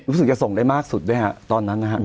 รู้สึกจะส่งได้มากสุดด้วยฮะตอนนั้นนะครับ